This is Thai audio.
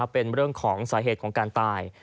เป็นเรื่องของสาเหตุของการตาย